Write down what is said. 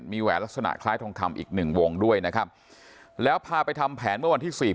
มีแหวนลักษณะคล้ายทองคำอีกหนึ่งวงด้วยนะครับแล้วพาไปทำแผนเมื่อวันที่สี่